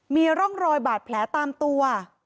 มีร่องรอยบาดแผลตามตัว